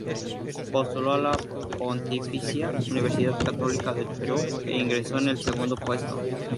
Postuló a la Pontificia Universidad Católica del Perú e ingresó en el segundo puesto.